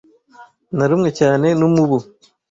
Narumwe cyane numubu.